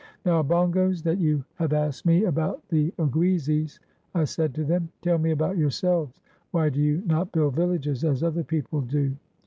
"Now, Obongos, that you have asked me about the Oguizis," I said to them, "tell me about yourselves. Why do you not build villages as other people do?"